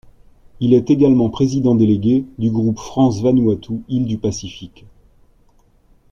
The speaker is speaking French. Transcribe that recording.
Il est également président délégué du groupe France - Vanuatu - Îles du Pacifique.